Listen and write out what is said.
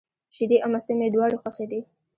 شیدې او مستې مي دواړي خوښي دي.